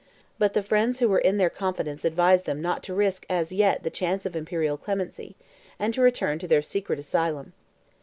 But the friends who were in their confidence advised them not to risk as yet the chance of imperial clemency, and to return to their secret asylum.